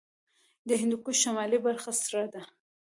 د هندوکش شمالي برخه سړه ده